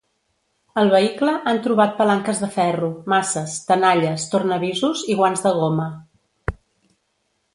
Al vehicle han trobat palanques de ferro, maces, tenalles, tornavisos i guants de goma.